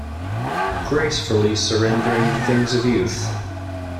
Gracefully surrendering the things of youth.